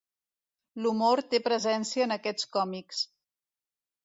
L'humor té presència en aquests còmics.